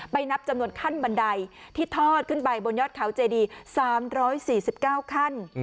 นับจำนวนขั้นบันไดที่ทอดขึ้นไปบนยอดเขาเจดี๓๔๙ขั้น